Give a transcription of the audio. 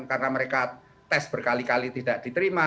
karena mereka tes berkali kali tidak diterima